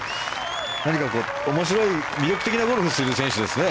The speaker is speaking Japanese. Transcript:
何かこう面白い、魅力的なゴルフをする選手ですね。